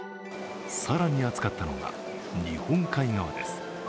更に暑かったのが日本海側です。